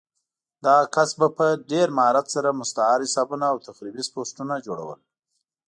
دغه کس به په ډېر مهارت سره مستعار حسابونه او تخریبي پوسټونه جوړول